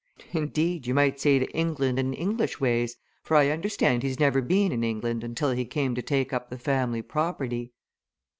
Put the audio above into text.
Indeed, you might say to England and English ways, for I understand he'd never been in England until he came to take up the family property."